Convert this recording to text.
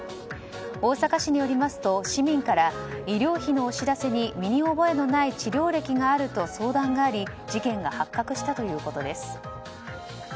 大阪市によりますと市民から医療費のお知らせに身に覚えのない治療歴があると相談があり事件が発覚したということです。